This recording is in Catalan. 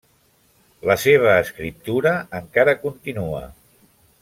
La seva escriptura encara continua.